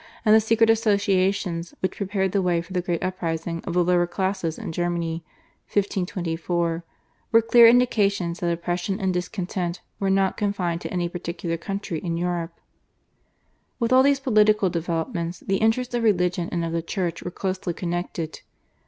and the secret associations which prepared the way for the great uprising of the lower classes in Germany (1524), were clear indications that oppression and discontent were not confined to any particular country in Europe. With all these political developments the interests of religion and of the Church were closely connected.